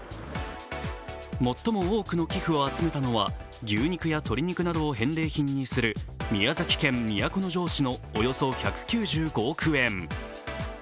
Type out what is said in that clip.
最も多くの寄付を集めたのは牛肉や鶏肉などを返礼品にする宮崎県都城市のおよそ１９５億円。